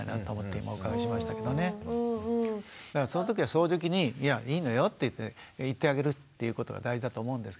そういうときに「いやいいのよ」って言ってあげるっていうことが大事だと思うんですけどね。